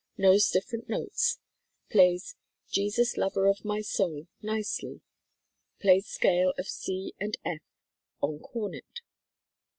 Knows different notes. Plays "Jesus, Lover of my Soul" nicely. Plays scale of C and F on cornet.